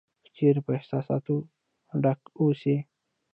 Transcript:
که چېرې په احساساتو ډک اوسې .